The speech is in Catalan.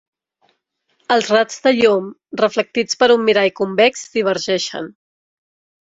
Els raigs de llum reflectits per un mirall convex divergeixen.